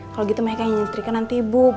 kalo gitu meka yang nyetirkan nanti ibu